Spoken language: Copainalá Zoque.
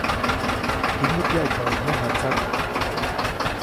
Jiŋäʼ pyaʼtyajuʼuŋ mäjatsat.